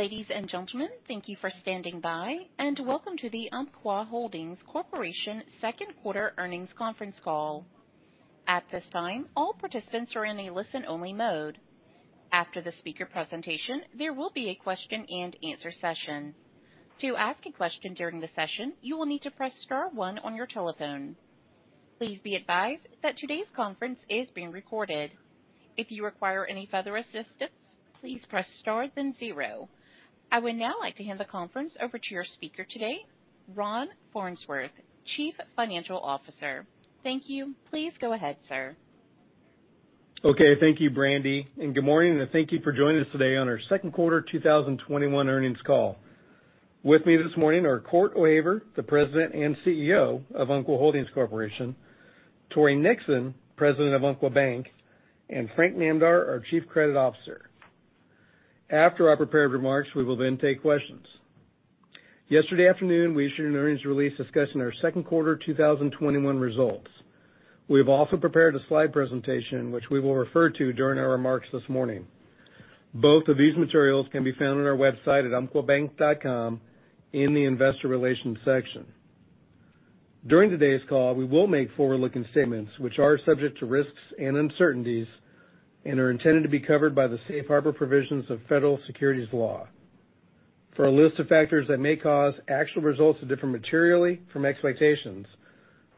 Ladies and gentlemen, thank you for standing by, and welcome to the Umpqua Holdings Corporation second quarter earnings conference call. At this time, all participants are in a listen-only mode. After the speaker presentation, there will be a question and answer session. To ask a question during the session, you will need to press star one on your telephone. Please be advised that today's conference is being recorded. If you require any further assistance, please press star then zero. I would now like to hand the conference over to your speaker today, Ron Farnsworth, Chief Financial Officer. Thank you. Please go ahead, sir. Okay. Thank you, Brandy, and good morning, and thank you for joining us today on our second quarter 2021 earnings call. With me this morning are Cort O'Haver, President and CEO of Umpqua Holdings Corporation, Tory Nixon, President of Umpqua Bank, and Frank Namdar, our Chief Credit Officer. After our prepared remarks, we will then take questions. Yesterday afternoon, we issued an earnings release discussing our second quarter 2021 results. We have also prepared a slide presentation, which we will refer to during our remarks this morning. Both of these materials can be found on our website at umpquabank.com in the investor relations section. During today's call, we will make forward-looking statements which are subject to risks and uncertainties and are intended to be covered by the safe harbor provisions of federal securities law. For a list of factors that may cause actual results to differ materially from expectations,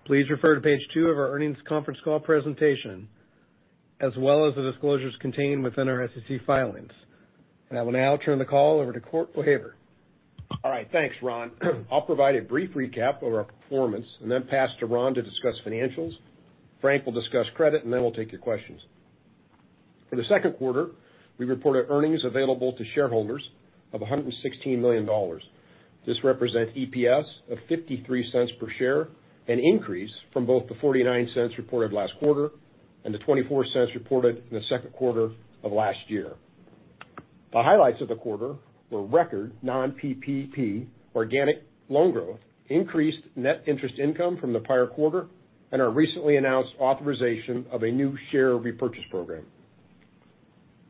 please refer to page two of our earnings conference call presentation, as well as the disclosures contained within our SEC filings. I will now turn the call over to Cort O'Haver. All right. Thanks, Ron. I'll provide a brief recap of our performance and then pass to Ron to discuss financials. Frank will discuss credit, and then we'll take your questions. For the second quarter, we reported earnings available to shareholders of $116 million. This represents EPS of $0.53 per share, an increase from both the $0.49 reported last quarter and the $0.24 reported in the second quarter of last year. The highlights of the quarter were record non-PPP organic loan growth, increased net interest income from the prior quarter, and our recently announced authorization of a new share repurchase program.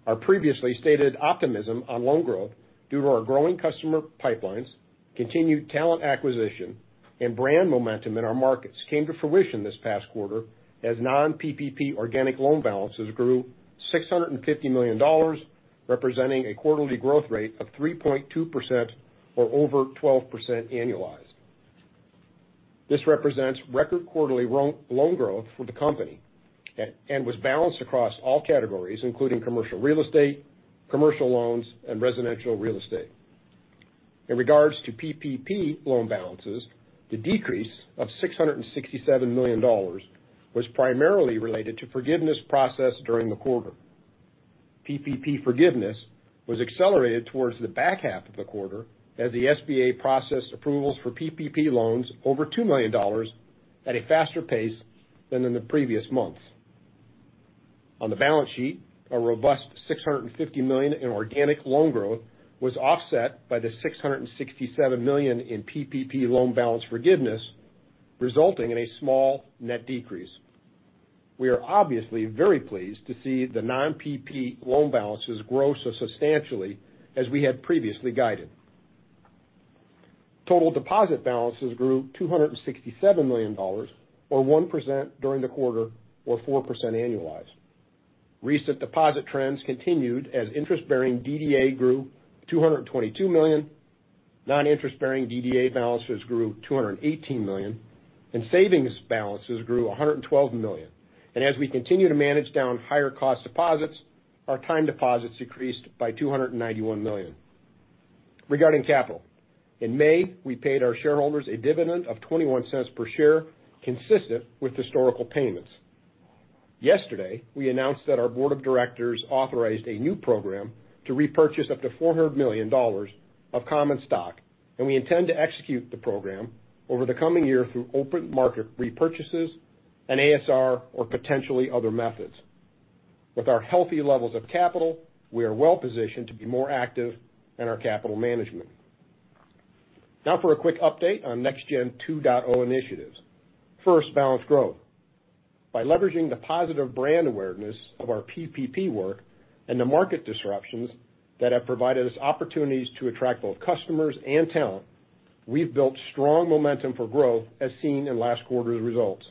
Our previously stated optimism on loan growth due to our growing customer pipelines, continued talent acquisition, and brand momentum in our markets came to fruition this past quarter as non-PPP organic loan balances grew $650 million, representing a quarterly growth rate of 3.2% or over 12% annualized. This represents record quarterly loan growth for the company and was balanced across all categories, including commercial real estate, commercial loans, and residential real estate. In regards to PPP loan balances, the decrease of $667 million was primarily related to forgiveness processed during the quarter. PPP forgiveness was accelerated towards the back half of the quarter as the SBA processed approvals for PPP loans over $2 million at a faster pace than in the previous months. On the balance sheet, a robust $650 million in organic loan growth was offset by the $667 million in PPP loan balance forgiveness, resulting in a small net decrease. We are obviously very pleased to see the non-PPP loan balances grow so substantially as we had previously guided. Total deposit balances grew $267 million or 1% during the quarter or 4% annualized. Recent deposit trends continued as interest-bearing DDA grew to $222 million, non-interest-bearing DDA balances grew to $218 million, and savings balances grew to $112 million. As we continue to manage down higher cost deposits, our time deposits decreased by $291 million. Regarding capital, in May, we paid our shareholders a dividend of $0.21 per share, consistent with historical payments. Yesterday, we announced that our board of directors authorized a new program to repurchase up to $400 million of common stock, and we intend to execute the program over the coming year through open market repurchases and ASR or potentially other methods. With our healthy levels of capital, we are well-positioned to be more active in our capital management. Now for a quick update on Next Gen 2.0 initiatives. First, balanced growth. By leveraging the positive brand awareness of our PPP work and the market disruptions that have provided us opportunities to attract both customers and talent, we've built strong momentum for growth as seen in last quarter's results.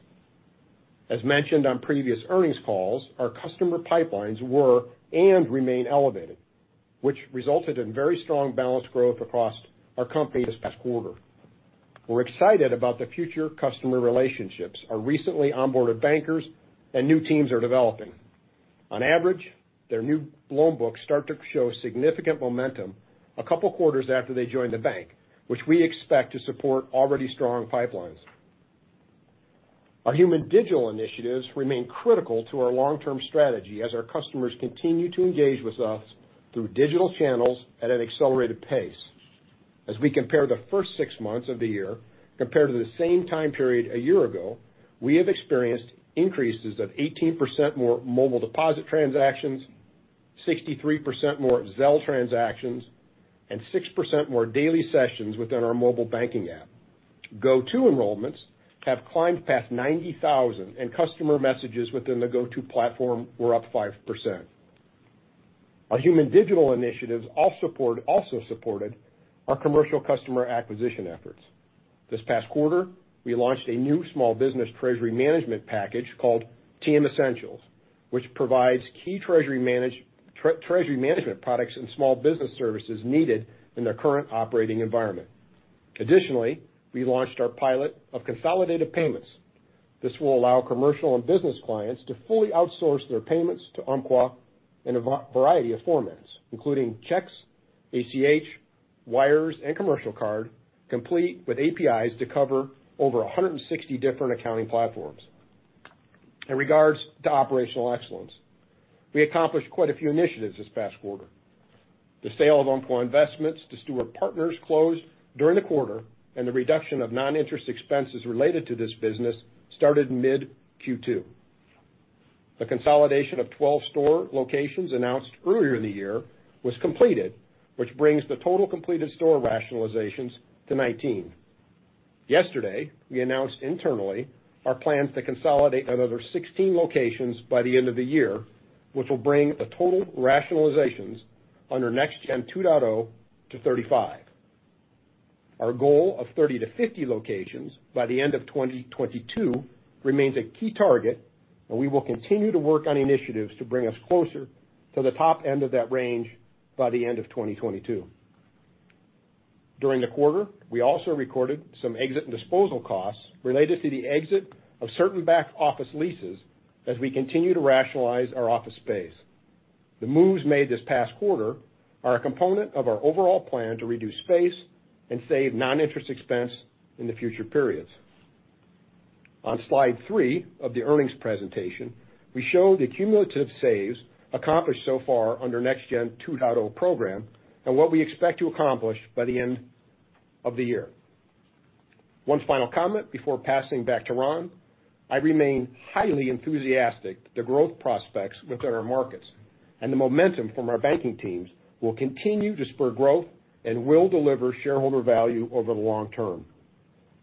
As mentioned on previous earnings calls, our customer pipelines were and remain elevated, which resulted in very strong balance growth across our company this past quarter. We're excited about the future customer relationships our recently onboarded bankers and new teams are developing. On average, their new loan books start to show significant momentum a couple of quarters after they join the bank, which we expect to support already strong pipelines. Our human digital initiatives remain critical to our long-term strategy as our customers continue to engage with us through digital channels at an accelerated pace. As we compare the first six months of the year compared to the same time period a year ago, we have experienced increases of 18% more mobile deposit transactions, 63% more Zelle transactions, and 6% more daily sessions within our mobile banking app. Go-To enrollments have climbed past 90,000, and customer messages within the Go-To platform were up 5%. Our human digital initiatives also supported our commercial customer acquisition efforts. This past quarter, we launched a new small business treasury management package called TM Essentials, which provides key treasury management products and small business services needed in their current operating environment. Additionally, we launched our pilot of consolidated payments. This will allow commercial and business clients to fully outsource their payments to Umpqua in a variety of formats, including checks, ACH, wires, and commercial card, complete with APIs to cover over 160 different accounting platforms. In regards to operational excellence, we accomplished quite a few initiatives this past quarter. The sale of Umpqua Investments to Steward Partners closed during the quarter, and the reduction of non-interest expenses related to this business started mid Q2. The consolidation of 12 store locations announced earlier in the year was completed, which brings the total completed store rationalizations to 19. Yesterday, we announced internally our plans to consolidate another 16 locations by the end of the year, which will bring the total rationalizations under Next Gen 2.0 to 35. Our goal of 30-50 locations by the end of 2022 remains a key target, and we will continue to work on initiatives to bring us closer to the top end of that range by the end of 2022. During the quarter, we also recorded some exit and disposal costs related to the exit of certain back-office leases as we continue to rationalize our office space. The moves made this past quarter are a component of our overall plan to reduce space and save non-interest expense in the future periods. On slide three of the earnings presentation, we show the cumulative saves accomplished so far under Next Gen 2.0 program and what we expect to accomplish by the end of the year. One final comment before passing back to Ron. I remain highly enthusiastic of the growth prospects within our markets and the momentum from our banking teams will continue to spur growth and will deliver shareholder value over the long term.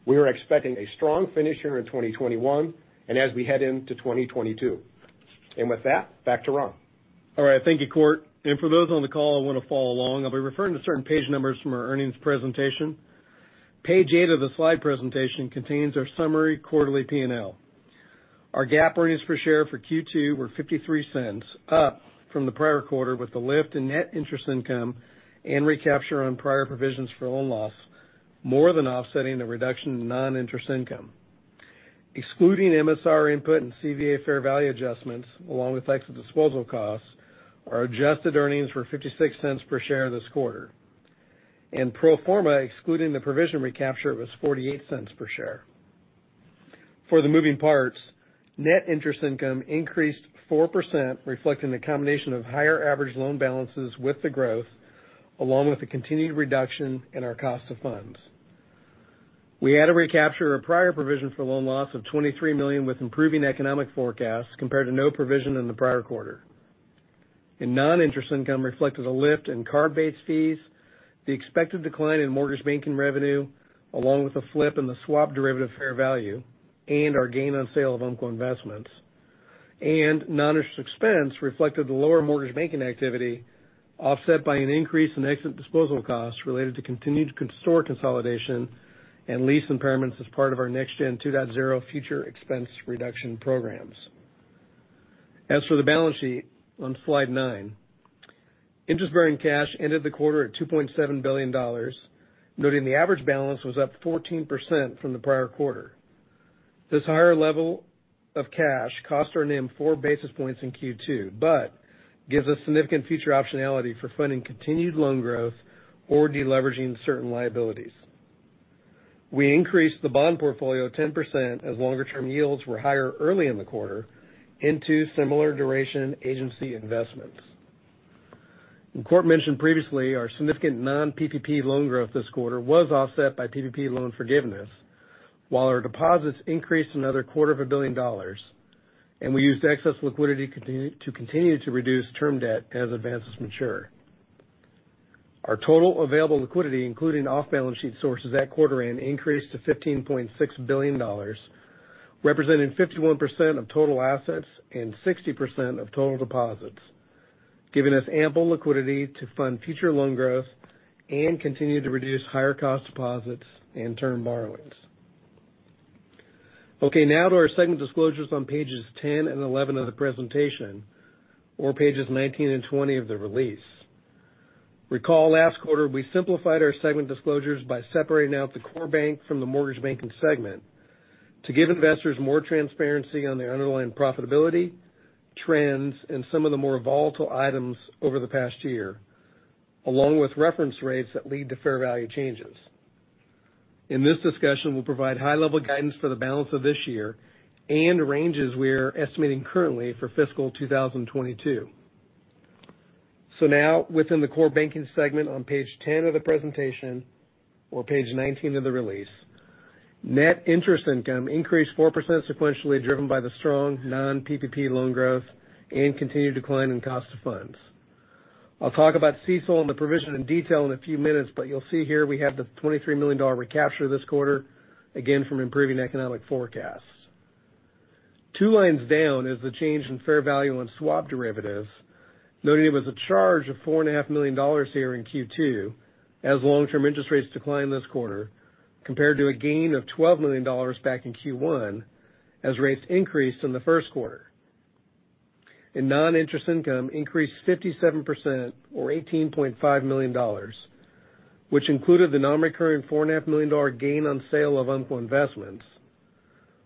We are expecting a strong finish here in 2021 and as we head into 2022. With that, back to Ron. All right. Thank you, Cort. For those on the call who want to follow along, I'll be referring to certain page numbers from our earnings presentation. Page eight of the slide presentation contains our summary quarterly P&L. Our GAAP earnings per share for Q2 were $0.53, up from the prior quarter with the lift in net interest income and recapture on prior provisions for loan loss, more than offsetting the reduction in non-interest income. Excluding MSR impairment and CVA fair value adjustments, along with exit disposal costs, our adjusted earnings were $0.56 per share this quarter. Pro forma, excluding the provision recapture, was $0.48 per share. For the moving parts, net interest income increased 4%, reflecting the combination of higher average loan balances with the growth, along with a continued reduction in our cost of funds. We had to recapture a prior provision for loan loss of $23 million with improving economic forecasts compared to no provision in the prior quarter. Non-interest income reflected a lift in card-based fees, the expected decline in mortgage banking revenue, along with a flip in the swap derivative fair value and our gain on sale of Umpqua Investments. Non-interest expense reflected the lower mortgage banking activity offset by an increase in exit disposal costs related to continued store consolidation and lease impairments as part of our NextGen 2.0 future expense reduction programs. As for the balance sheet on slide nine, interest-bearing cash ended the quarter at $2.7 billion, noting the average balance was up 14% from the prior quarter. This higher level of cash cost our NIM 4 basis points in Q2 but gives us significant future optionality for funding continued loan growth or deleveraging certain liabilities. We increased the bond portfolio 10% as longer-term yields were higher early in the quarter into similar duration agency investments. Cort mentioned previously our significant non-PPP loan growth this quarter was offset by PPP loan forgiveness while our deposits increased another quarter of a billion dollars, and we used excess liquidity to continue to reduce term debt as advances mature. Our total available liquidity, including off-balance sheet sources at quarter end, increased to $15.6 billion, representing 51% of total assets and 60% of total deposits, giving us ample liquidity to fund future loan growth and continue to reduce higher cost deposits and term borrowings. Okay, now to our segment disclosures on pages 10 and 11 of the presentation or pages 19 and 20 of the release. Recall last quarter, we simplified our segment disclosures by separating out the core bank from the mortgage banking segment to give investors more transparency on the underlying profitability, trends, and some of the more volatile items over the past year, along with reference rates that lead to fair value changes. In this discussion, we'll provide high-level guidance for the balance of this year and ranges we are estimating currently for fiscal 2022. Now within the core banking segment on page 10 of the presentation or page 19 of the release, net interest income increased 4% sequentially, driven by the strong non-PPP loan growth and continued decline in cost of funds. I'll talk about CECL and the provision in detail in a few minutes, but you'll see here we have the $23 million recapture this quarter, again from improving economic forecasts. Two lines down is the change in fair value on swap derivatives, noted it was a charge of $4.5 million here in Q2 as long-term interest rates declined this quarter, compared to a gain of $12 million back in Q1 as rates increased in the first quarter. Non-interest income increased 57% or $18.5 million, which included the non-recurring $4.5 million gain on sale of Umpqua Investments,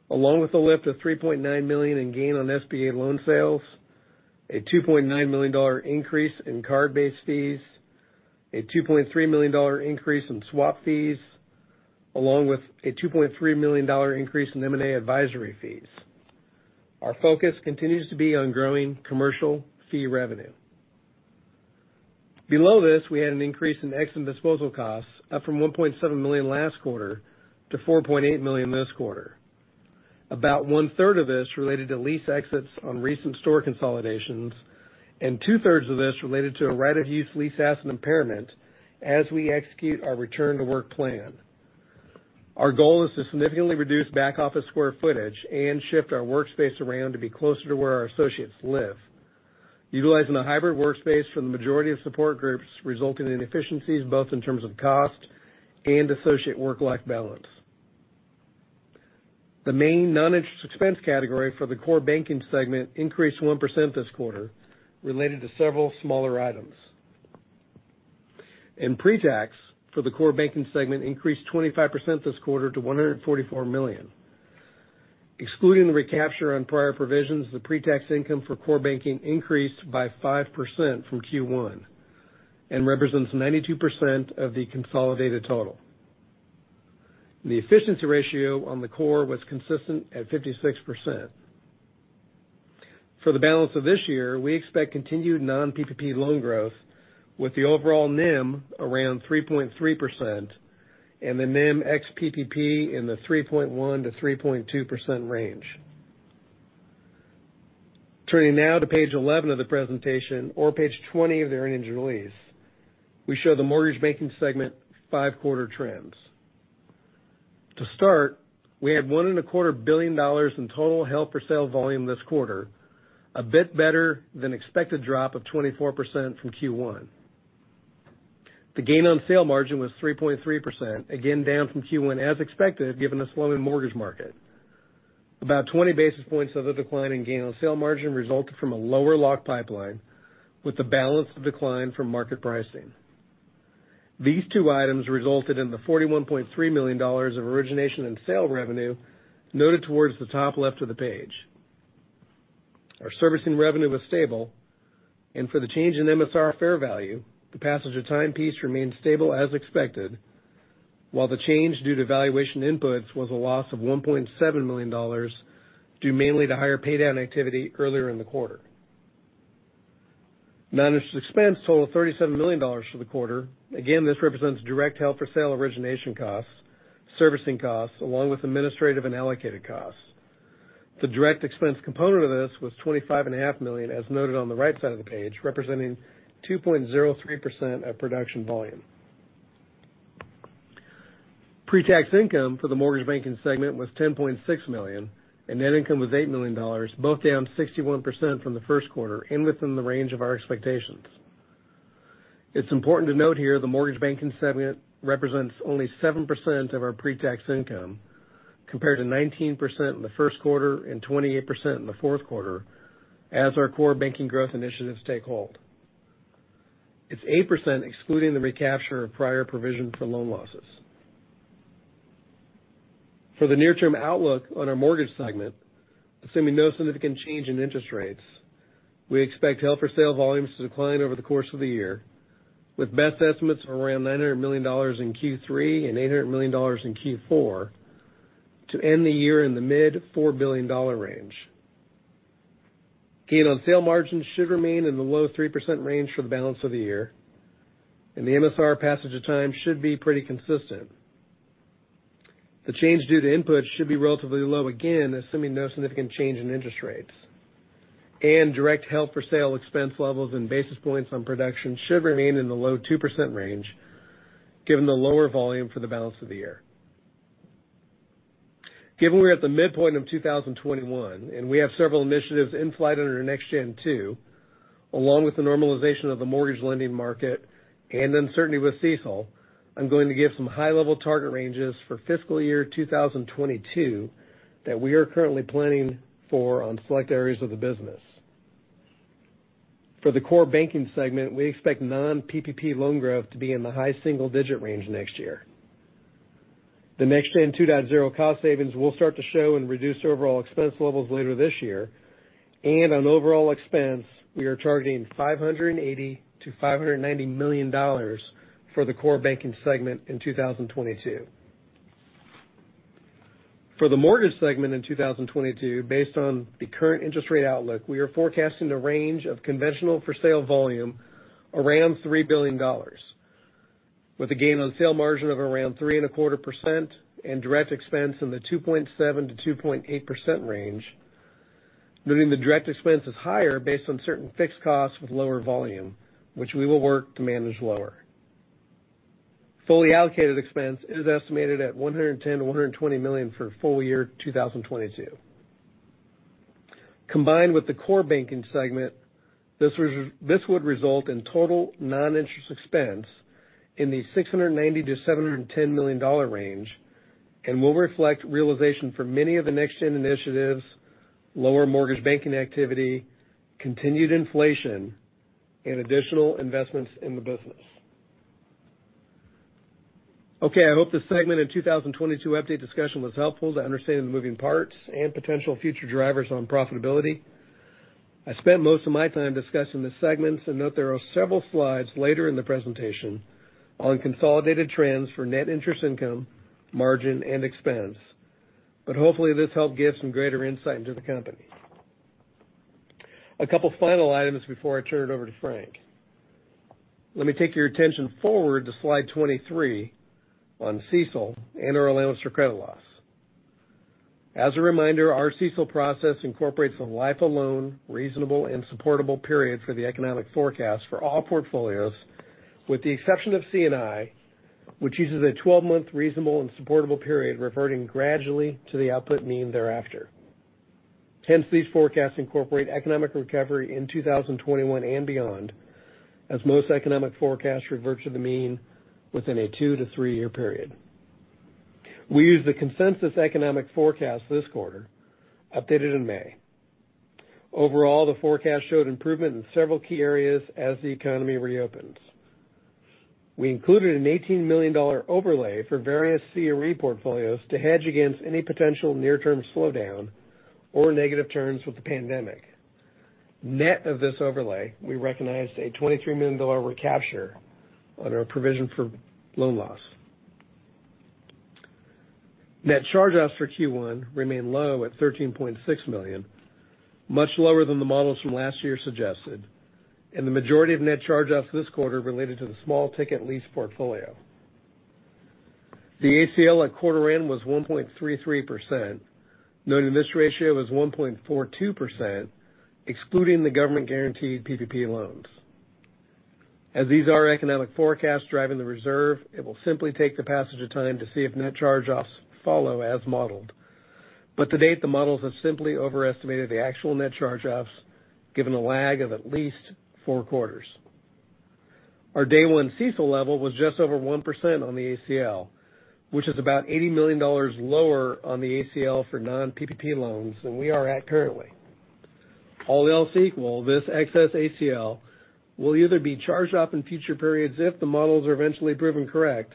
along with a lift of $3.9 million in gain on SBA loan sales, a $2.9 million increase in card-based fees, a $2.3 million increase in swap fees, along with a $2.3 million increase in M&A advisory fees. Our focus continues to be on growing commercial fee revenue. Below this, we had an increase in exit and disposal costs up from $1.7 million last quarter to $4.8 million this quarter. About 1/3 of this related to lease exits on recent store consolidations, and 2/3 of this related to a right-of-use lease asset impairment as we execute our return-to-work plan. Our goal is to significantly reduce back office square footage and shift our workspace around to be closer to where our associates live. Utilizing a hybrid workspace for the majority of support groups resulting in efficiencies both in terms of cost and associate work-life balance. The main non-interest expense category for the core banking segment increased 1% this quarter related to several smaller items. Pre-tax for the core banking segment increased 25% this quarter to $144 million. Excluding the recapture on prior provisions, the pre-tax income for core banking increased by 5% from Q1 and represents 92% of the consolidated total. The efficiency ratio on the core was consistent at 56%. For the balance of this year, we expect continued non-PPP loan growth with the overall NIM around 3.3% and the NIM ex-PPP in the 3.1%-3.2% range. Turning now to page 11 of the presentation or page 20 of the earnings release, we show the mortgage banking segment five-quarter trends. To start, we had $1.25 billion in total held for sale volume this quarter, a bit better than expected drop of 24% from Q1. The gain on sale margin was 3.3%, again down from Q1 as expected, given the slowing mortgage market. About 20 basis points of the decline in gain on sale margin resulted from a lower lock pipeline, with the balance of decline from market pricing. These two items resulted in the $41.3 million of origination and sale revenue noted towards the top left of the page. Our servicing revenue was stable, and for the change in MSR fair value, the passage of time piece remained stable as expected, while the change due to valuation inputs was a loss of $1.7 million due mainly to higher pay down activity earlier in the quarter. Managed expense totaled $37 million for the quarter. Again, this represents direct held for sale origination costs, servicing costs, along with administrative and allocated costs. The direct expense component of this was $25.5 million as noted on the right side of the page, representing 2.03% of production volume. Pre-tax income for the mortgage banking segment was $10.6 million, and net income was $8 million, both down 61% from the first quarter and within the range of our expectations. It's important to note here the mortgage banking segment represents only 7% of our pre-tax income, compared to 19% in the first quarter and 28% in the fourth quarter as our core banking growth initiatives take hold. It's 8% excluding the recapture of prior provision for loan losses. For the near-term outlook on our mortgage segment, assuming no significant change in interest rates, we expect to held for sale volumes to decline over the course of the year, with best estimates around $900 million in Q3 and $800 million in Q4 to end the year in the mid $4 billion range. Gain on sale margins should remain in the low 3% range for the balance of the year. The MSR passage of time should be pretty consistent. The change due to inputs should be relatively low again, assuming no significant change in interest rates. Direct held for sale expense levels and basis points on production should remain in the low 2% range given the lower volume for the balance of the year. Given we're at the midpoint of 2021, we have several initiatives in flight under Next Gen 2.0, along with the normalization of the mortgage lending market and uncertainty with CECL, I'm going to give some high-level target ranges for fiscal year 2022 that we are currently planning for on select areas of the business. For the core banking segment, we expect non-PPP loan growth to be in the high single-digit range next year. The Next Gen 2.0 cost savings will start to show in reduced overall expense levels later this year. On overall expense, we are targeting $580 million-$590 million for the core banking segment in 2022. For the mortgage segment in 2022, based on the current interest rate outlook, we are forecasting a range of conventional for sale volume around $3 billion. With a gain on sale margin of around 3.25% and direct expense in the 2.7%-2.8% range, noting the direct expense is higher based on certain fixed costs with lower volume, which we will work to manage lower. Fully allocated expense is estimated at $110 million-$120 million for full year 2022. Combined with the core banking segment, this would result in total non-interest expense in the $690 million-$710 million range and will reflect realization for many of the Next Gen initiatives, lower mortgage banking activity, continued inflation, and additional investments in the business. Okay, I hope this segment and 2022 update discussion was helpful to understanding the moving parts and potential future drivers on profitability. I spent most of my time discussing the segments. Note there are several slides later in the presentation on consolidated trends for net interest income, margin, and expense. Hopefully, this helped give some greater insight into the company. A couple final items before I turn it over to Frank. Let me take your attention forward to slide 23 on CECL and our allowance for credit loss. As a reminder, our CECL process incorporates a life of loan reasonable and supportable period for the economic forecast for all portfolios, with the exception of C&I, which uses a 12-month reasonable and supportable period reverting gradually to the output mean thereafter. Hence, these forecasts incorporate economic recovery in 2021 and beyond, as most economic forecasts revert to the mean within a two-to-three year period. We use the consensus economic forecast this quarter, updated in May. Overall, the forecast showed improvement in several key areas as the economy reopens. We included an $18 million overlay for various CRE portfolios to hedge against any potential near-term slowdown or negative turns with the pandemic. Net of this overlay, we recognized a $23 million recapture on our provision for loan loss. Net charge-offs for Q1 remain low at $13.6 million, much lower than the models from last year suggested, and the majority of net charge-offs this quarter related to the small ticket lease portfolio. The ACL at quarter end was 1.33%, noting this ratio was 1.42%, excluding the government-guaranteed PPP loans. As these are economic forecasts driving the reserve, it will simply take the passage of time to see if net charge-offs follow as modeled. To date, the models have simply overestimated the actual net charge-offs, given a lag of at least four quarters. Our day one CECL level was just over 1% on the ACL, which is about $80 million lower on the ACL for non-PPP loans than we are at currently. All else equal, this excess ACL will either be charged off in future periods if the models are eventually proven correct,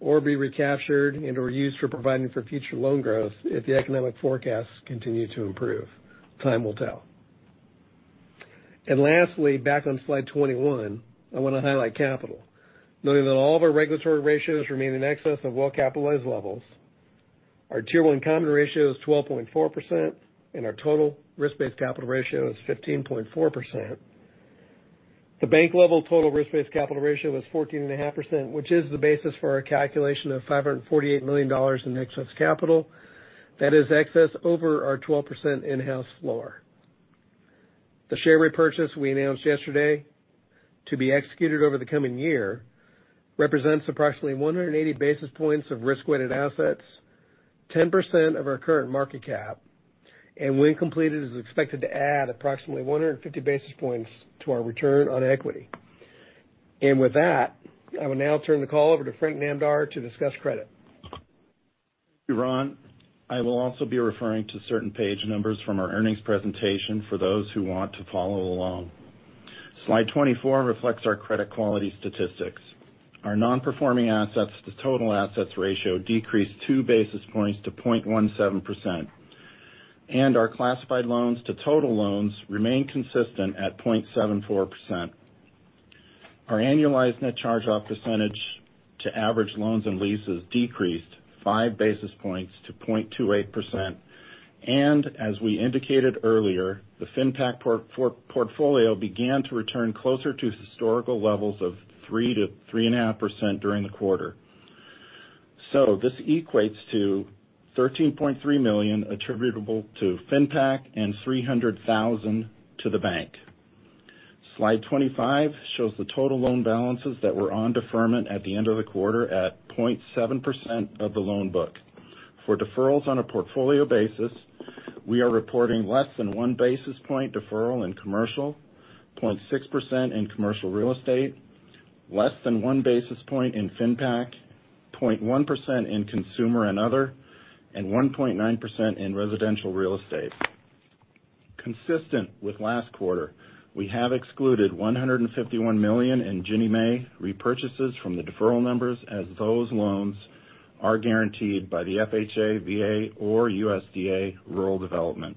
or be recaptured and/or used for providing for future loan growth if the economic forecasts continue to improve. Time will tell. Lastly, back on slide 21, I want to highlight capital, noting that all of our regulatory ratios remain in excess of well-capitalized levels. Our Tier 1 common ratio is 12.4%, and our total risk-based capital ratio is 15.4%. The bank-level total risk-based capital ratio was 14.5%, which is the basis for our calculation of $548 million in excess capital, that is excess over our 12% in-house floor. The share repurchase we announced yesterday to be executed over the coming year represents approximately 180 basis points of risk-weighted assets, 10% of our current market cap, and when completed, is expected to add approximately 150 basis points to our return on equity. With that, I will now turn the call over to Frank Namdar to discuss credit. Ron, I will also be referring to certain page numbers from our earnings presentation for those who want to follow along. Slide 24 reflects our credit quality statistics. Our non-performing assets to total assets ratio decreased 2 basis points to 0.17%, and our classified loans to total loans remain consistent at 0.74%. Our annualized net charge-off percentage to average loans and leases decreased 5 basis points to 0.28%. As we indicated earlier, the FinPac portfolio began to return closer to historical levels of 3%-3.5% during the quarter. This equates to $13.3 million attributable to FinPac and $300,000 to the bank. Slide 25 shows the total loan balances that were on deferment at the end of the quarter at 0.7% of the loan book. For deferrals on a portfolio basis, we are reporting less than 1 basis point deferral in commercial, 0.6% in commercial real estate, less than 1 basis point in FinPac, 0.1% in consumer and other, and 1.9% in residential real estate. Consistent with last quarter, we have excluded $151 million in Ginnie Mae repurchases from the deferral numbers as those loans are guaranteed by the FHA, VA, or USDA Rural Development.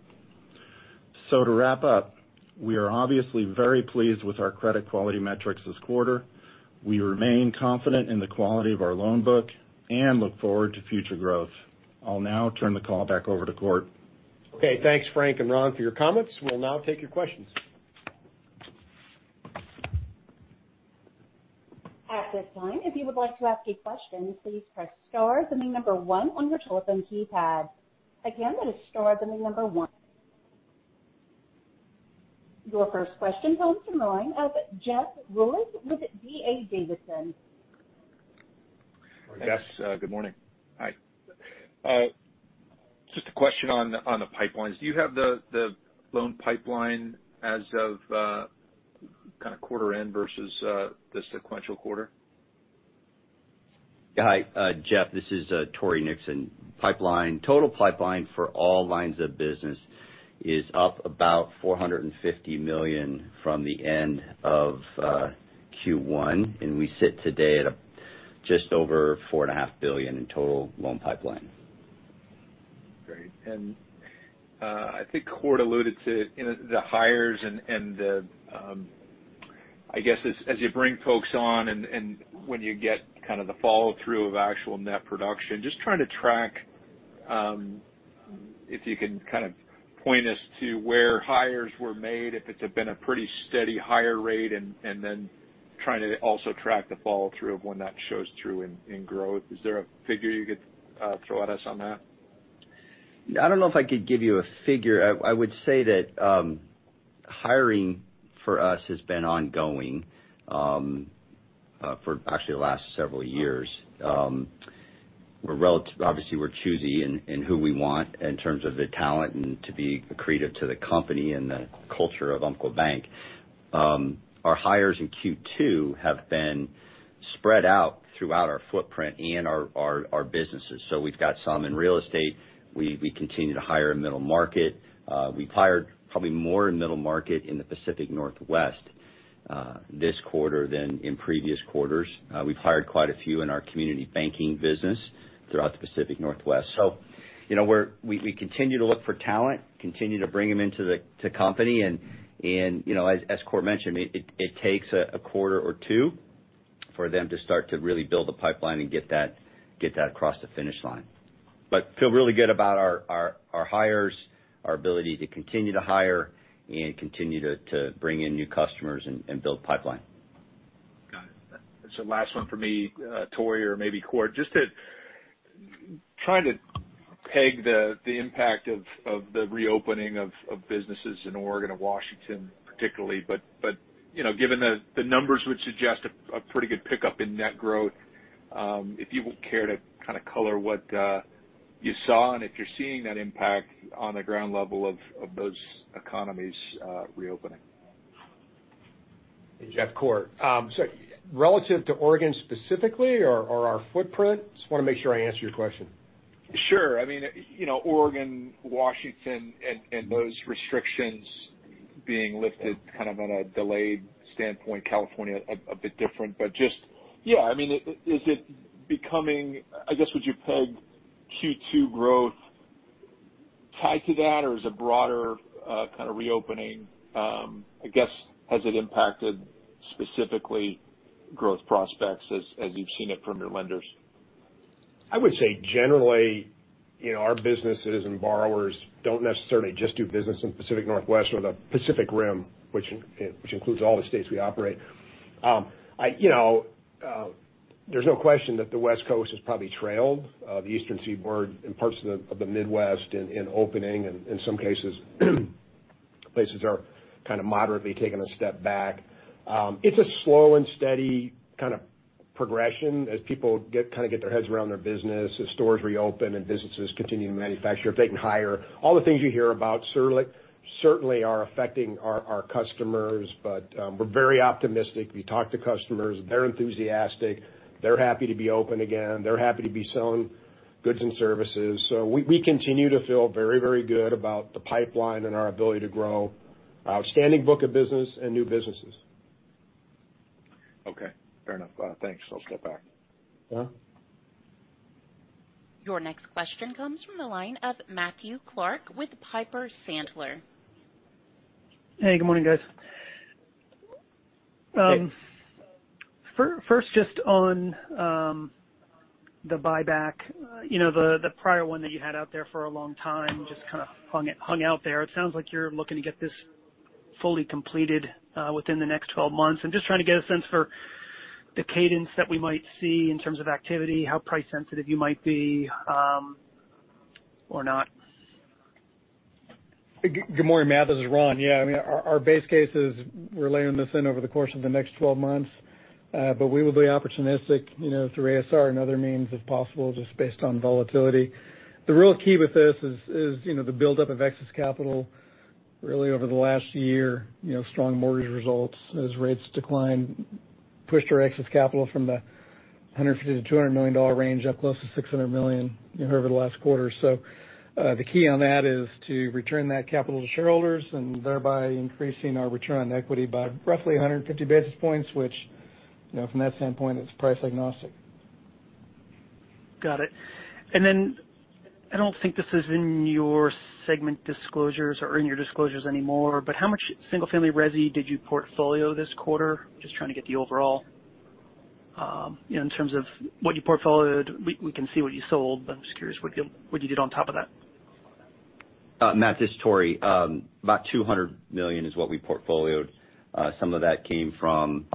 To wrap up, we are obviously very pleased with our credit quality metrics this quarter. We remain confident in the quality of our loan book and look forward to future growth. I'll now turn the call back over to Cort. Okay, thanks Frank and Ron for your comments. We'll now take your questions. At this time, if you would like to ask a question, please press star, then the number one on your telephone keypad. Again, that is star, then the number one. Your first question comes from the line of Jeff Rulis with D.A. Davidson. Hi, guys. Good morning. Hi. Just a question on the pipelines. Do you have the loan pipeline as of quarter end versus the sequential quarter? Hi, Jeff. This is Tory Nixon. Total pipeline for all lines of business is up about $450 million from the end of Q1, and we sit today at just over $4.5 billion in total loan pipeline. Great. I think Cort alluded to the hires. I guess as you bring folks on when you get the follow-through of actual net production, just trying to track if you can point us to where hires were made, if it had been a pretty steady hire rate then trying to also track the follow-through of when that shows through in growth. Is there a figure you could throw at us on that? I don't know if I could give you a figure. I would say that hiring for us has been ongoing for actually the last several years. Obviously, we're choosy in who we want in terms of the talent and to be accretive to the company and the culture of Umpqua Bank. Our hires in Q2 have been spread out throughout our footprint and our businesses. We've got some in real estate. We continue to hire in middle market. We've hired probably more in middle market in the Pacific Northwest this quarter than in previous quarters. We've hired quite a few in our community banking business throughout the Pacific Northwest. We continue to look for talent, continue to bring them into the company and as Cort mentioned, it takes a quarter or two for them to start to really build a pipeline and get that across the finish line. Feel really good about our hires, our ability to continue to hire and continue to bring in new customers and build pipeline. Got it. Last one from me, Tory or maybe Cort, just to try to peg the impact of the reopening of businesses in Oregon and Washington particularly, but given the numbers which suggest a pretty good pickup in net growth, if you would care to kind of color what you saw and if you're seeing that impact on the ground level of those economies reopening? Jeff, Cort. Relative to Oregon specifically or our footprint? Just want to make sure I answer your question. Sure. Oregon, Washington, those restrictions being lifted on a delayed standpoint, California a bit different, just, is it becoming, I guess, would you peg Q2 growth tied to that or is it broader kind of reopening? I guess, has it impacted specifically growth prospects as you've seen it from your lenders? I would say generally, our businesses and borrowers don't necessarily just do business in Pacific Northwest or the Pacific Rim, which includes all the states we operate. There's no question that the West Coast has probably trailed the Eastern Seaboard and parts of the Midwest in opening and in some cases, places are kind of moderately taking a step back. It's a slow and steady kind of progression as people get their heads around their business, as stores reopen and businesses continue to manufacture, if they can hire. All the things you hear about certainly are affecting our customers. We're very optimistic. We talk to customers, they're enthusiastic. They're happy to be open again. They're happy to be selling goods and services. We continue to feel very, very good about the pipeline and our ability to grow outstanding book of business and new businesses. Okay. Fair enough. Thanks. I'll step back. Yeah. Your next question comes from the line of Matthew Clark with Piper Sandler. Hey, good morning, guys. Hey. First, just on the buyback. The prior one that you had out there for a long time just kind of hung out there. It sounds like you're looking to get this fully completed within the next 12 months. I'm just trying to get a sense for the cadence that we might see in terms of activity, how price sensitive you might be, or not. Good morning, Matt. This is Ron. Yeah. Our base case is we're laying this in over the course of the next 12 months. We would be opportunistic through ASR and other means if possible, just based on volatility. The real key with this is the buildup of excess capital really over the last year, strong mortgage results as rates decline pushed our excess capital from the $150 million-$200 million range up close to $600 million over the last quarter. The key on that is to return that capital to shareholders and thereby increasing our return on equity by roughly 150 basis points, which from that standpoint is price agnostic. Got it. I don't think this is in your segment disclosures or in your disclosures anymore, but how much single-family resi did you portfolio this quarter, just trying to get the overall? In terms of what you portfolied, we can see what you sold, but I'm just curious what you did on top of that. Matt, this is Tory. About $200 million is what we portfolioed. Some of that came from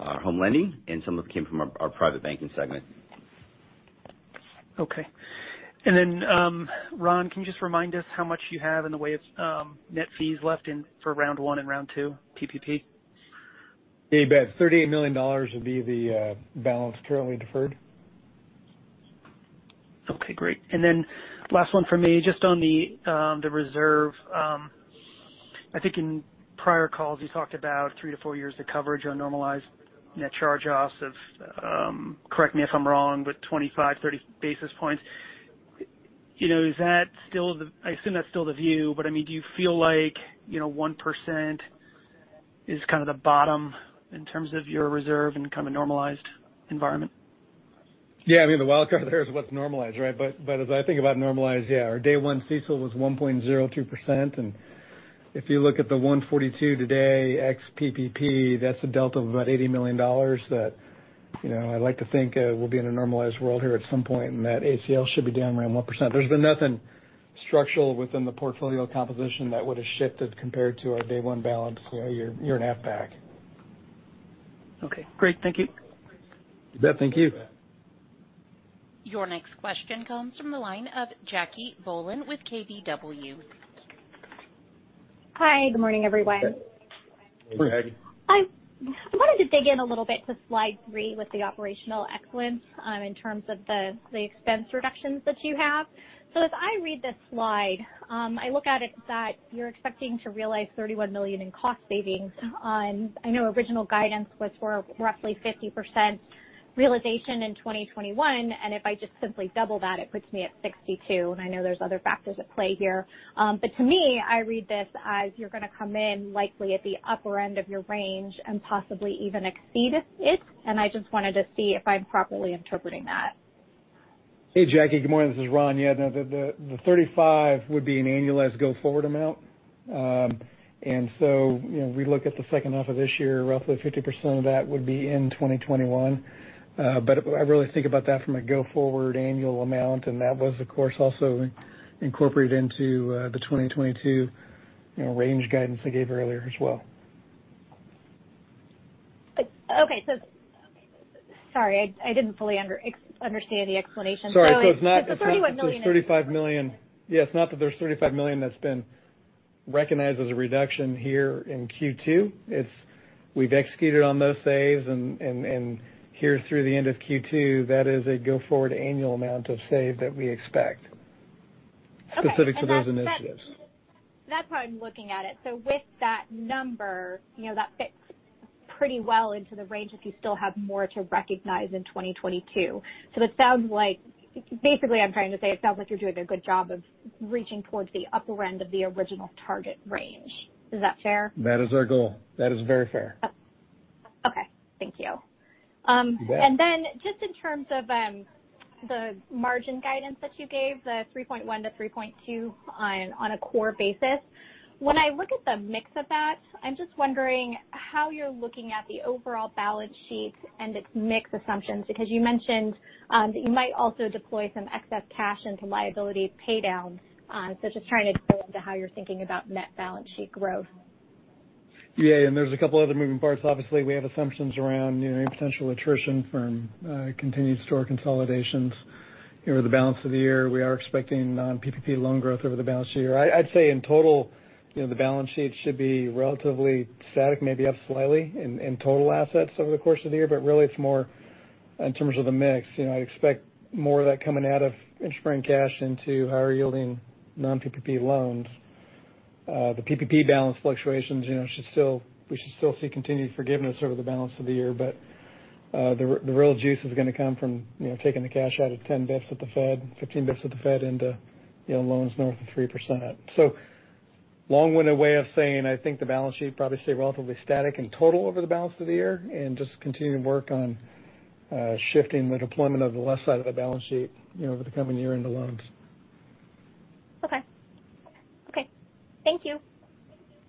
our home lending, and some of it came from our private banking segment. Okay. Ron, can you just remind us how much you have in the way of net fees left in for round one and round two PPP? You bet. $38 million would be the balance currently deferred. Okay, great. Last one from me, just on the reserve. I think in prior calls, you talked about three to four years of coverage on normalized net charge-offs of, correct me if I'm wrong, but 25-30 basis points. I assume that's still the view, but do you feel like 1% is kind of the bottom in terms of your reserve in kind of a normalized environment? Yeah. I mean, the wild card there is what's normalized, right? As I think about normalized, yeah, our day one CECL was 1.02%, and if you look at the 142 today, ex PPP, that's a delta of about $80 million that I'd like to think we'll be in a normalized world here at some point, and that ACL should be down around 1%. There's been nothing structural within the portfolio composition that would've shifted compared to our day one balance year and a half back. Okay, great. Thank you. You bet. Thank you. Your next question comes from the line of Jackie Bohlen with KBW. Hi, good morning, everyone. Good morning, Jackie. Morning. I wanted to dig in a little bit to slide three with the operational excellence in terms of the expense reductions that you have. As I read this slide, I look at it that you're expecting to realize $31 million in cost savings. I know original guidance was for roughly 50% realization in 2021, and if I just simply double that, it puts me at 62, and I know there's other factors at play here. To me, I read this as you're going to come in likely at the upper end of your range and possibly even exceed it. I just wanted to see if I'm properly interpreting that. Hey, Jackie. Good morning. This is Ron. Yeah, no, the $35 would be an annualized go-forward amount. We look at the second half of this year, roughly 50% of that would be in 2021. I really think about that from a go-forward annual amount, and that was, of course, also incorporated into the 2022 range guidance I gave earlier as well. Okay. Sorry, I didn't fully understand the explanation. Sorry. It's not that there's $35 million that's been recognized as a reduction here in Q2. It's we've executed on those saves and here through the end of Q2, that is a go-forward annual amount of save that we expect. Okay. Specific to those initiatives. That's how I'm looking at it. With that number, that fits pretty well into the range if you still have more to recognize in 2022. It sounds like, basically I'm trying to say it sounds like you're doing a good job of reaching towards the upper end of the original target range. Is that fair? That is our goal. That is very fair. Okay. Thank you. You bet. Just in terms of the margin guidance that you gave, the 3.1%-3.2% on a core basis. I look at the mix of that, I'm just wondering how you're looking at the overall balance sheet and its mix assumptions because you mentioned that you might also deploy some excess cash into liability paydowns. Just trying to drill into how you're thinking about net balance sheet growth. Yeah, there's a couple other moving parts. Obviously, we have assumptions around any potential attrition from continued store consolidations. The balance of the year, we are expecting non-PPP loan growth over the balance of the year. I'd say in total, the balance sheet should be relatively static, maybe up slightly in total assets over the course of the year, but really it's more in terms of the mix. I'd expect more of that coming out of interest-bearing cash into higher-yielding non-PPP loans. The PPP balance fluctuations, we should still see continued forgiveness over the balance of the year. The real juice is going to come from taking the cash out of 10 bps at the Fed, 15 bps at the Fed into loans north of 3%. Long-winded way of saying I think the balance sheet probably stay relatively static in total over the balance of the year and just continue to work on shifting the deployment of the left side of the balance sheet over the coming year into loans. Okay. Thank you.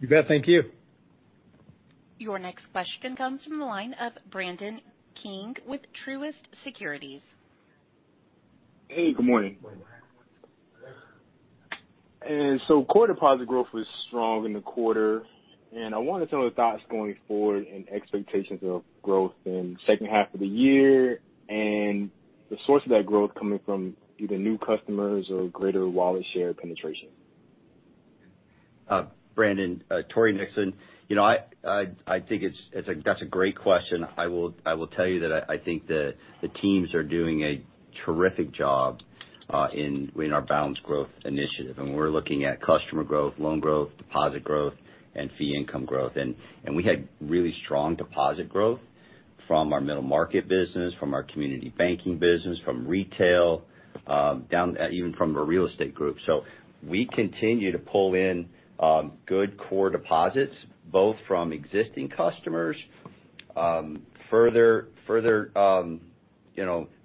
You bet. Thank you. Your next question comes from the line of Brandon King with Truist Securities. Hey, good morning. Core deposit growth was strong in the quarter, I wanted some of the thoughts going forward and expectations of growth in the second half of the year and the source of that growth coming from either new customers or greater wallet share penetration. Brandon, Tory Nixon. I think that's a great question. I will tell you that I think the teams are doing a terrific job in our balance growth initiative, and we're looking at customer growth, loan growth, deposit growth, and fee income growth. We had really strong deposit growth from our middle market business, from our community banking business, from retail, down even from the real estate group. We continue to pull in good core deposits, both from existing customers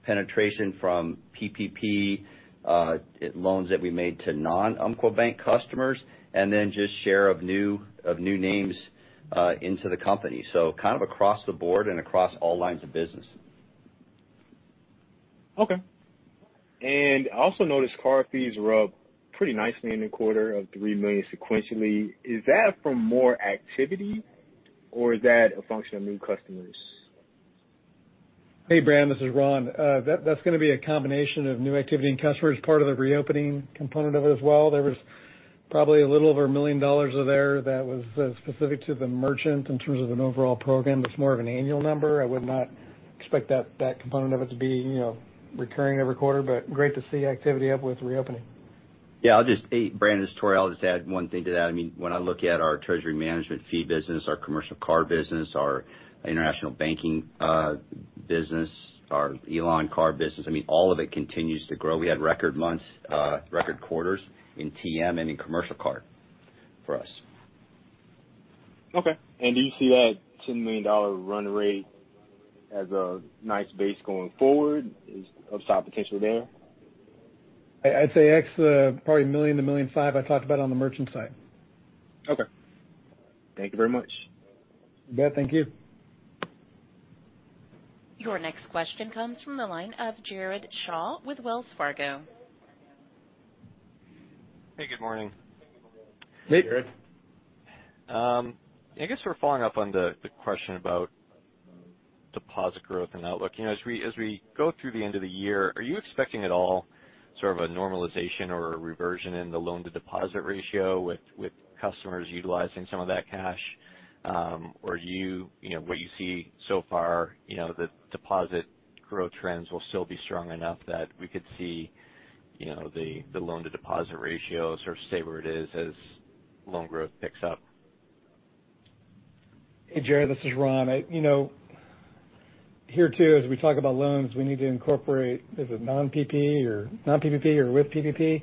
penetration from PPP loans that we made to non-Umpqua Bank customers, and then just share of new names into the company. Kind of across the board and across all lines of business. Okay. I also noticed card fees were up pretty nicely in the quarter of $3 million sequentially. Is that from more activity, or is that a function of new customers? Hey, Bran, this is Ron. That's going to be a combination of new activity and customers, part of the reopening component of it as well. There was probably a little over $1 million there that was specific to the merchant in terms of an overall program. That's more of an annual number. I would not expect that component of it to be recurring every quarter, but great to see activity up with reopening. Yeah. Bran, this is Tory. I'll just add one thing to that. When I look at our treasury management fee business, our commercial card business, our international banking business, our Elan card business, all of it continues to grow. We had record months, record quarters in TM and in commercial card for us. Okay. Do you see that $10 million run rate as a nice base going forward? Is upside potential there? I'd say X probably $1 million-$1.5 million I talked about on the merchant side. Okay. Thank you very much. You bet. Thank you. Your next question comes from the line of Jared Shaw with Wells Fargo. Hey, good morning. Hey. Hey, Jared. I guess we're following up on the question about deposit growth and outlook. As we go through the end of the year, are you expecting at all sort of a normalization or a reversion in the loan-to-deposit ratio with customers utilizing some of that cash? What you see so far, the deposit growth trends will still be strong enough that we could see the loan-to-deposit ratio sort of stay where it is as loan growth picks up? Hey, Jared, this is Ron. Here too, as we talk about loans, we need to incorporate, is it non-PPP or with PPP?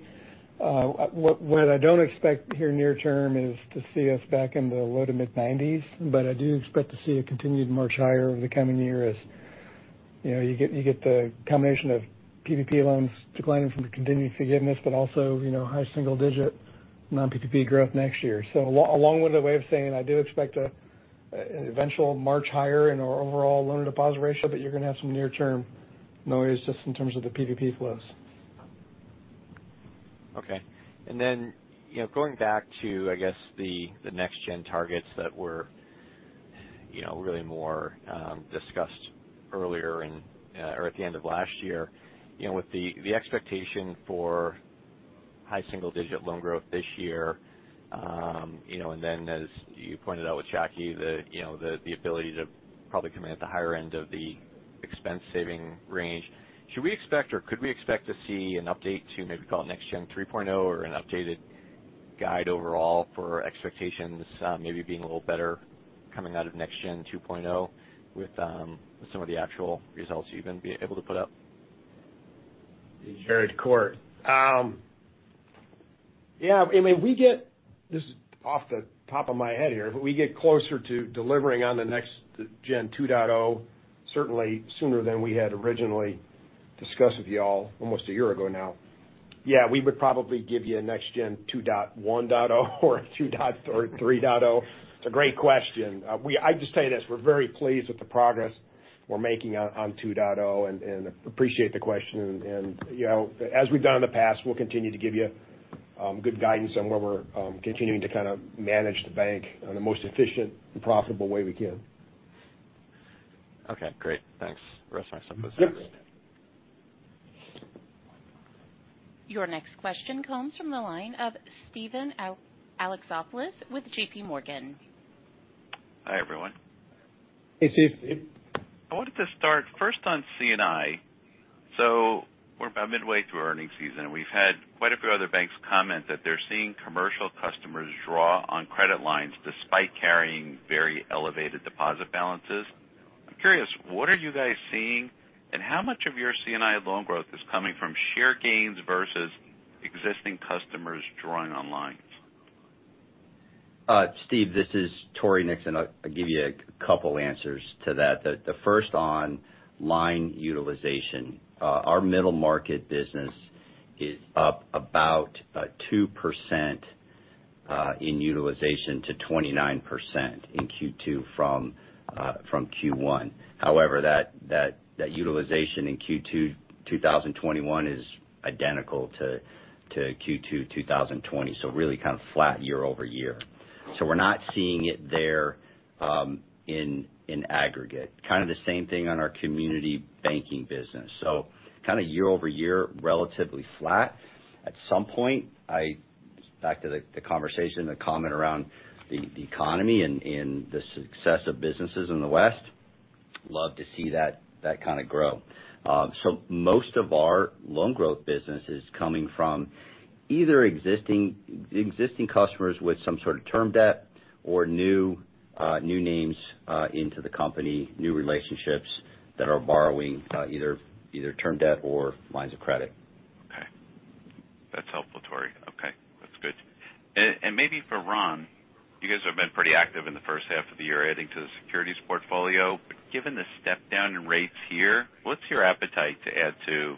What I don't expect here near term is to see us back in the low to mid-90s, but I do expect to see a continued march higher over the coming year as you get the combination of PPP loans declining from the continued forgiveness but also high single digit non-PPP growth next year. A long-winded way of saying I do expect an eventual march higher in our overall loan-to-deposit ratio, but you're going to have some near-term noise just in terms of the PPP flows. Okay. Going back to, I guess, the Next Gen targets that were really more discussed earlier or at the end of last year. With the expectation for high single-digit loan growth this year, as you pointed out with Jackie, the ability to probably come in at the higher end of the expense saving range. Should we expect or could we expect to see an update to maybe call it Next Gen 3.0 or an updated guide overall for expectations maybe being a little better coming out of Next Gen 2.0 with some of the actual results you've been able to put up? Hey, Jared. Cort. Yeah. This is off the top of my head here, but we get closer to delivering on the Next Gen 2.0, certainly sooner than we had originally discussed with you all almost a year ago now. Yeah, we would probably give you a Next Gen 2.1.0 or a 2.3.0. It's a great question. I'd just tell you this, we're very pleased with the progress we're making on 2.0 and appreciate the question. As we've done in the past, we'll continue to give you good guidance on where we're continuing to kind of manage the bank in the most efficient and profitable way we can. Okay, great. Thanks. The rest of my stuff was answered. Yeah. Your next question comes from the line of Steven Alexopoulos with JPMorgan. Hi, everyone. Hey, Steve. I wanted to start first on C&I. We're about midway through earnings season, and we've had quite a few other banks comment that they're seeing commercial customers draw on credit lines despite carrying very elevated deposit balances. I'm curious, what are you guys seeing, and how much of your C&I loan growth is coming from share gains versus existing customers drawing on lines? Steve, this is Tory Nixon. I'll give you a couple answers to that. The first on line utilization. Our middle market business is up about 2% in utilization to 29% in Q2 from Q1. However, that utilization in Q2 2021 is identical to Q2 2020. Really kind of flat year-over-year. We're not seeing it there in aggregate. Kind of the same thing on our community banking business. Kind of year-over-year, relatively flat. At some point, back to the conversation, the comment around the economy and the success of businesses in the West, love to see that kind of grow. Most of our loan growth business is coming from either existing customers with some sort of term debt or new names into the company, new relationships that are borrowing either term debt or lines of credit. That's helpful, Tory. Okay, that's good. Maybe for Ron, you guys have been pretty active in the first half of the year adding to the securities portfolio. Given the step down in rates here, what's your appetite to add to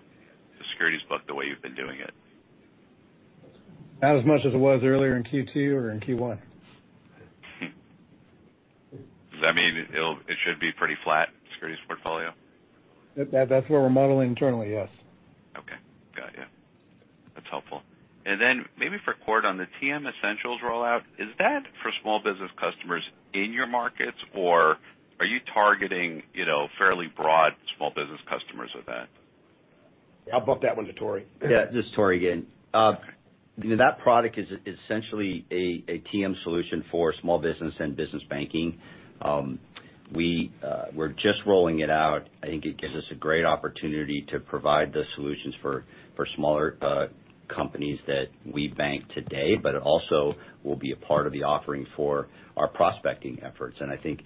the securities book the way you've been doing it? Not as much as it was earlier in Q2 or in Q1. Does that mean it should be pretty flat, portfolio? That's where we're modeling internally, yes. Okay. Got you. That's helpful. Maybe for Cort on the TM Essentials rollout, is that for small business customers in your markets, or are you targeting fairly broad small business customers with that? I'll bump that one to Tory. Yeah, this is Tory again. That product is essentially a TM solution for small business and business banking. We're just rolling it out. I think it gives us a great opportunity to provide the solutions for smaller companies that we bank today, but it also will be a part of the offering for our prospecting efforts. I think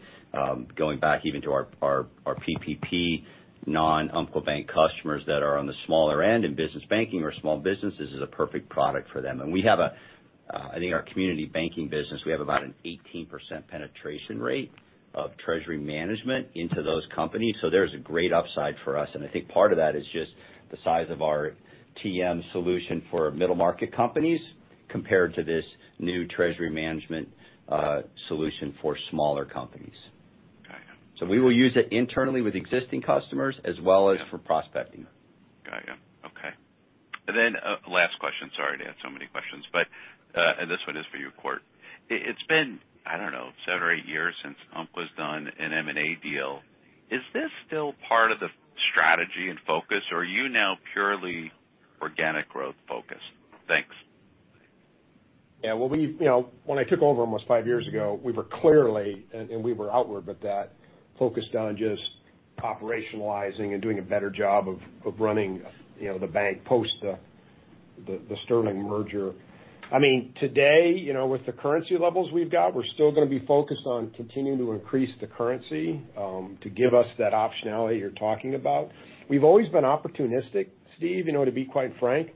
going back even to our PPP non-Umpqua Bank customers that are on the smaller end in business banking or small businesses is a perfect product for them. We have, I think our community banking business, we have about an 18% penetration rate of treasury management into those companies. There's a great upside for us. I think part of that is just the size of our TM solution for middle-market companies compared to this new treasury management solution for smaller companies. Got you. We will use it internally with existing customers as well as for prospecting. Got you. Okay. Then last question. Sorry to add so many questions. This one is for you, Cort. It's been, I don't know, seven or eight years since Umpqua has done an M&A deal. Is this still part of the strategy and focus, or are you now purely organic growth focused? Thanks. Yeah. When I took over almost five years ago, we were clearly, and we were outward with that, focused on just operationalizing and doing a better job of running the bank post the Sterling merger. Today, with the currency levels we've got, we're still going to be focused on continuing to increase the currency to give us that optionality you're talking about. We've always been opportunistic, Steve, to be quite frank.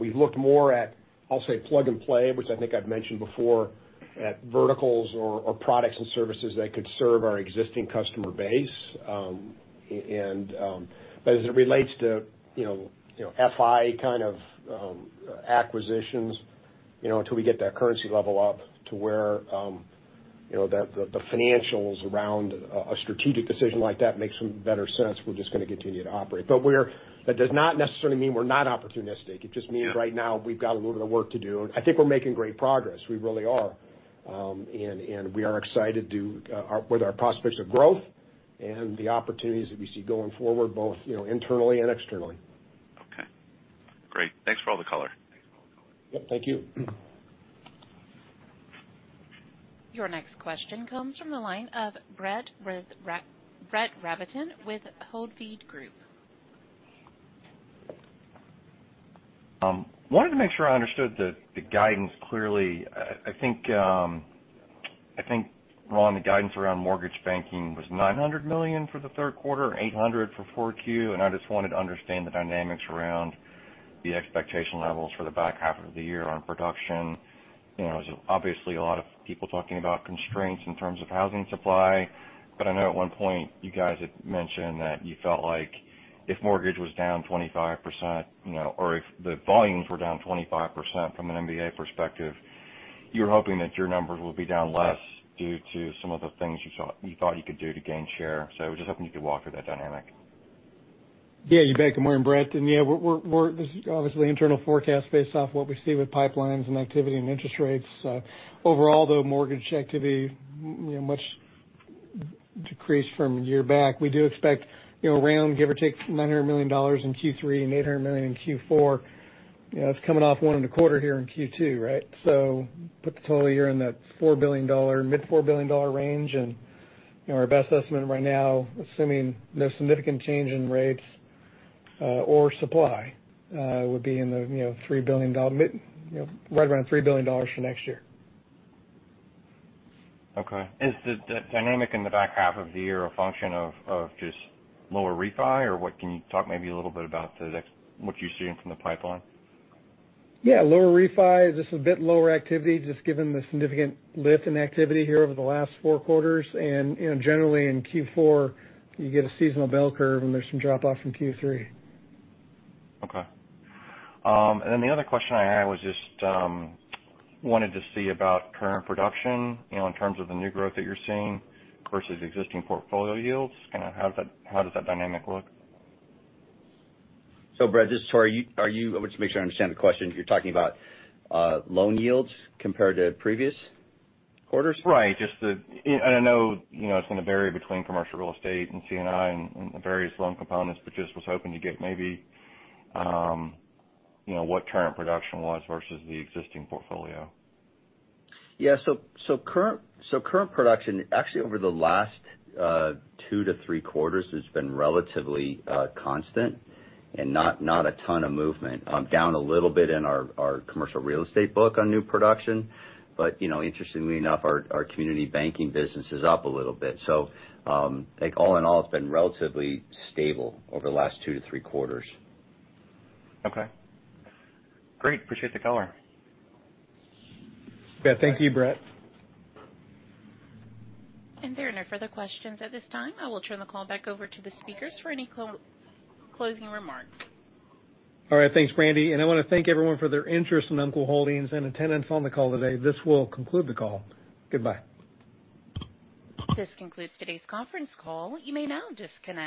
We've looked more at, I'll say plug and play, which I think I've mentioned before, at verticals or products and services that could serve our existing customer base. As it relates to FI kind of acquisitions, until we get that currency level up to where the financials around a strategic decision like that makes some better sense, we're just going to continue to operate. That does not necessarily mean we're not opportunistic. It just means right now we've got a little bit of work to do. I think we're making great progress. We really are. We are excited with our prospects of growth and the opportunities that we see going forward, both internally and externally. Okay. Great. Thanks for all the color. Yep, thank you. Your next question comes from the line of Brett Rabatin with Hovde Group. Wanted to make sure I understood the guidance clearly. I think, Ron, the guidance around mortgage banking was $900 million for the third quarter, $800 million for 4Q. I just wanted to understand the dynamics around the expectation levels for the back half of the year on production. There's obviously a lot of people talking about constraints in terms of housing supply, but I know at one point you guys had mentioned that you felt like if mortgage was down 25%, or if the volumes were down 25% from an MBA perspective, you were hoping that your numbers would be down less due to some of the things you thought you could do to gain share. I was just hoping you could walk through that dynamic. Yeah, you bet. Good morning, Brett. Yeah, this is obviously internal forecast based off what we see with pipelines and activity and interest rates. Overall, though, mortgage activity much decreased from a year back. We do expect around, give or take, $900 million in Q3 and $800 million in Q4. It's coming off $1.25 billion here in Q2, right? Put the total year in that mid $4 billion range. Our best estimate right now, assuming no significant change in rates or supply, would be right around $3 billion for next year. Okay. Is the dynamic in the back half of the year a function of just lower refi? Or can you talk maybe a little bit about what you're seeing from the pipeline? Yeah, lower refi is just a bit lower activity, just given the significant lift in activity here over the last four quarters. Generally in Q4, you get a seasonal bell curve and there's some drop off from Q3. Okay. The other question I had was just wanted to see about current production in terms of the new growth that you're seeing versus existing portfolio yields. How does that dynamic look? Brett, this is Tory. I want to make sure I understand the question. You're talking about loan yields compared to previous quarters? Right. I know it's going to vary between commercial real estate and C&I and the various loan components, but just was hoping to get maybe what current production was versus the existing portfolio. Yeah. Current production, actually over the last two to three quarters has been relatively constant and not a ton of movement. Down a little bit in our commercial real estate book on new production. Interestingly enough, our community banking business is up a little bit. I think all in all, it's been relatively stable over the last two to three quarters. Okay. Great. Appreciate the color. Yeah. Thank you, Brett. There are no further questions at this time. I will turn the call back over to the speakers for any closing remarks. All right. Thanks, Brandy. I want to thank everyone for their interest in Umpqua Holdings and attendance on the call today. This will conclude the call. Goodbye. This concludes today's conference call. You may now disconnect.